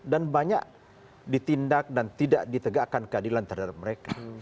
banyak ditindak dan tidak ditegakkan keadilan terhadap mereka